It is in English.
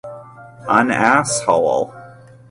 An ass hole.